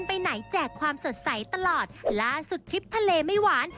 ไปไหนแจกความสดใสตลอดล่าสุดทริปทะเลไม่หวาน